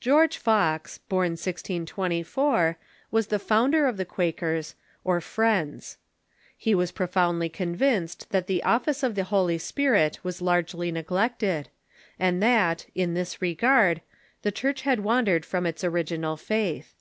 George Fox, born 1624, was the founder of the Quakers, or Friends. lie was profoundly convinced that the office of the Holy Spirit was largely neglected, and that, in this Followers'^* regard, the Church had wandered from its original faith.